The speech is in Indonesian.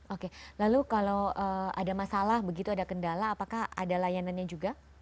oke lalu kalau ada masalah begitu ada kendala apakah ada layanannya juga